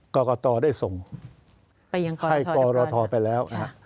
กรกตได้ส่งให้กรทไปแล้ว